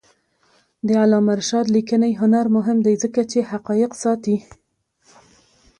د علامه رشاد لیکنی هنر مهم دی ځکه چې حقایق ساتي.